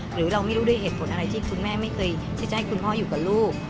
หรือเราไม่รู้ด้วยเหตุผลอะไรที่คุณแม่ไม่เคยที่จะให้คุณพ่ออยู่กับลูก